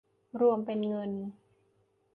รวมเป็นเงิน